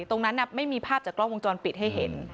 ไม่มีภาพจากกล้องวงจรปิดให้เห็น